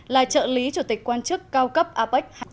là trợ lý chủ tịch quan chức cao cấp apec